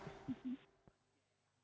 yang sedang menghadiri perjalanan ke masjid ini